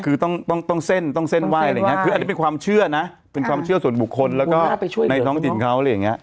คือต้องเส้นวายอะไรไงนะเพราะดังนั้นเป็นความเชื่อนะเป็นความเชื่อส่วนบุคคลแล้วก็ในท้องทิศเขา